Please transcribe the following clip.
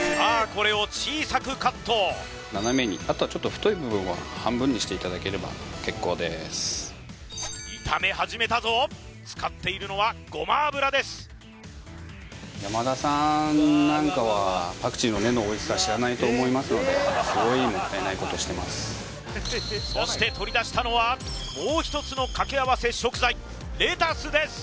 これを小さくカット斜めにあとはちょっと太い部分は半分にしていただければ結構です炒め始めたぞ使っているのはごま油です山田さんなんかはパクチーの根のおいしさ知らないと思いますのでそして取り出したのはもう一つのかけあわせ食材レタスです